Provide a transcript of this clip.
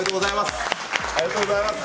ありがとうございます。